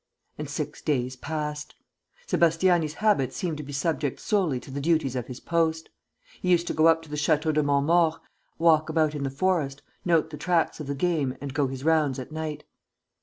And six days passed. Sébastiani's habits seemed to be subject solely to the duties of his post. He used to go up to the Chateau de Montmaur, walk about in the forest, note the tracks of the game and go his rounds at night.